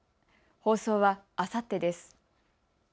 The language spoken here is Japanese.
放送は、あさってです。